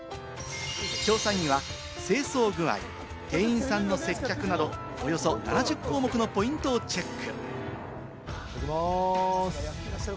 詳細には清掃具合、店員さんの接客など、およそ７０項目のポイントをチェック。